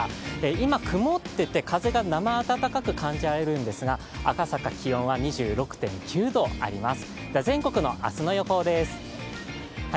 今曇っていて風が生暖かく感じられるんですが赤坂、気温は２６．９度あります。